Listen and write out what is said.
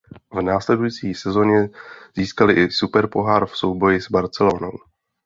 V následující sezoně získali i Superpohár v souboji s Barcelonou.